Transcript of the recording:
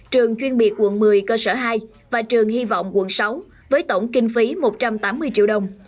trường chuyên biệt quận một mươi cơ sở hai và trường hy vọng quận sáu với tổng kinh phí một trăm tám mươi triệu đồng